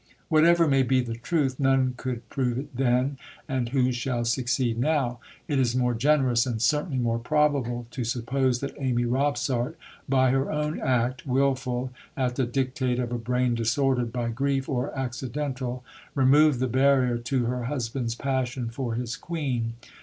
Whatever may be the truth, none could prove it then; and who shall succeed now? It is more generous and certainly more probable to suppose that Amy Robsart by her own act wilful, at the dictate of a brain disordered by grief, or accidental removed the barrier to her husband's passion for his Queen.